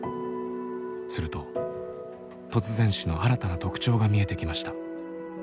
すると突然死の新たな特徴が見えてきました。